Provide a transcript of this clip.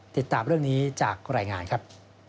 ติดตามเรื่องนี้จากรายงานครับ